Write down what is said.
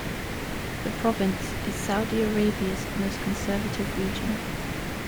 The province is Saudi Arabia's most conservative region.